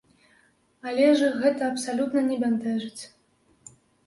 Але ж іх гэта абсалютна не бянтэжыць.